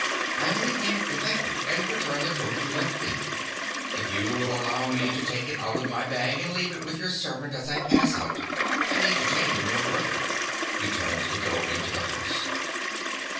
I only came to thank you and return the coat you lent me. If you will allow me to take it out of my bag and leave it with your servant as I pass out, I need detain you no further. (_He turns to go into the house.